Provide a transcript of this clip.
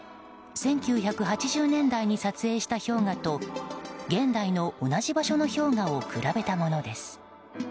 １９８０年代に撮影した氷河と現代の同じ場所の氷河を比べたものです。